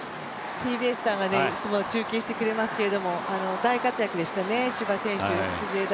ＴＢＳさんがいつも中継してくれますけど、大活躍でしたね。